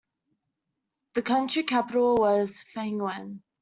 The county capital was Fengyuan.